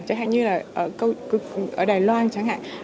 chẳng hạn như là ở đài loan chẳng hạn